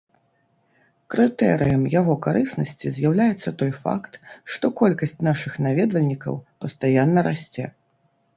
Крытэрыем яго карыснасці з'яўляецца той факт, што колькасць нашых наведвальнікаў пастаянна расце.